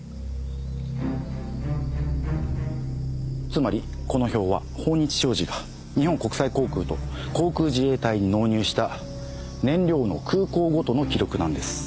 つまりこの表は豊日商事が日本国際航空と航空自衛隊に納入した燃料の空港ごとの記録なんです。